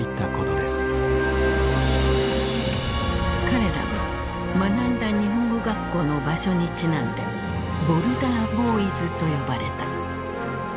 彼らは学んだ日本語学校の場所にちなんで「ボルダー・ボーイズ」と呼ばれた。